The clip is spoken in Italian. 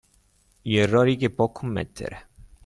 gli errori che può commettere.